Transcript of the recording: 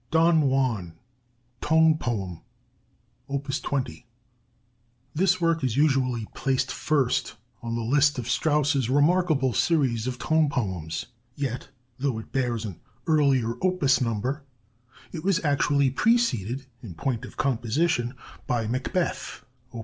"DON JUAN," TONE POEM: Op. 20 This work is usually placed first on the list of Strauss's remarkable series of tone poems; yet, though it bears an earlier opus number, it was actually preceded, in point of composition, by "Macbeth," op.